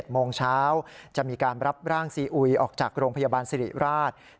โมงเช้าจะมีการรับร่างซีอุยออกจากโรงพยาบาลสิริราช